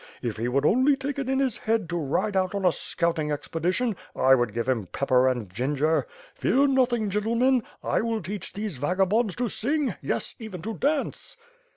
If he would only take it into his head to ride out on a scouting expedition, I would give him pepper and ginger. Fear nothing, gentle men, I will teach these vagabonds to sing, yes, even to dance."